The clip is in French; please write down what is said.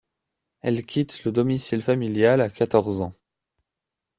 Elle quitte le domicile familial à quatorze ans.